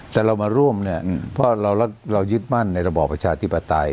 แต่เรามาร่วมเนี้ยเพราะเราเรายึดมั่นในระบอปชาติปฏิ